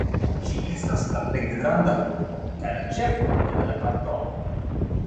Ĝi estas la plej granda urbo, kaj la ĉefurbo de la kantono.